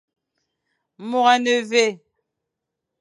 Môr a ne mvè.